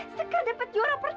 sekar dapat juara pertama